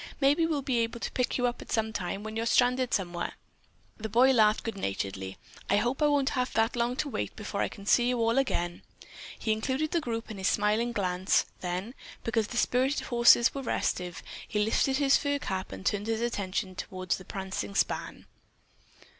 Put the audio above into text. "Maybe we'll be able to pick you up some time when you're stranded somewhere." The boy laughed good naturedly. "I hope I won't have that long to wait before I can see you all again." He included the group in his smiling glance, then, because the spirited horses were restive, he lifted his fur cap and turned his attention toward the prancing span.